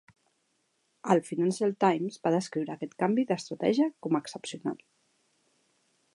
El "Financial Times" va descriure aquest canvi d'estratègia com "excepcional".